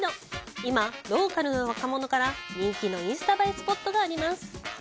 今、ローカルの若者から人気のインスタ映えスポットがあります。